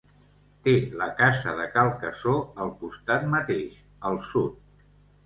Té la casa de Cal Casó al costat mateix, al sud.